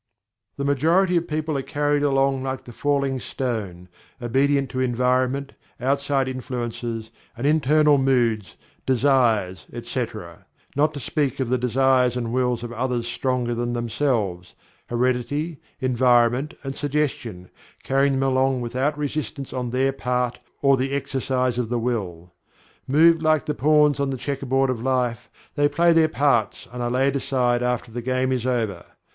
The majority of people are carried along like the falling stone, obedient to environment, outside influences and internal moods, desires, etc., not to speak of the desires and wills of others stronger than themselves, heredity, environment, and suggestion, carrying them along without resistance on their part, or the exercise of the Will. Moved like the pawns on the checkerboard of life, they play their parts and are laid aside after the game is over.